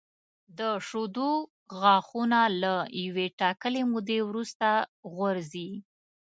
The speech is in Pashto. د شېدو غاښونه له یوې ټاکلې مودې وروسته غورځي.